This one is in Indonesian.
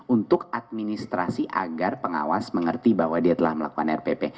untuk administrasi agar pengawas mengerti bahwa dia telah melakukan rpp